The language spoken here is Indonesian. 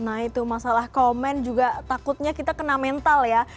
nah itu masalah komen juga takutnya kita kena mental ya